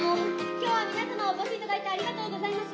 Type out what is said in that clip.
今日は皆様お越し頂いてありがとうございます。